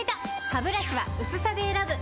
ハブラシは薄さで選ぶ！